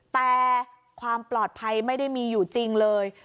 แต่ความปลอดภัยไม่ได้มีอยู่จริงเลย